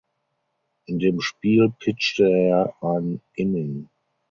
In dem Spiel pitchte er ein Inning.